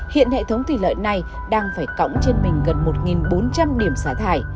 hiện hệ thống thủy lợi này đang phải cõng trên mình gần một bốn trăm linh điểm xả thải